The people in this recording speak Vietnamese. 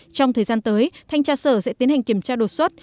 trong thời gian tới thanh tra sở sẽ tiến hành kiểm tra đột xuất